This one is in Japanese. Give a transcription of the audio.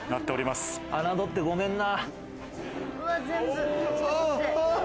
侮ってごめんな。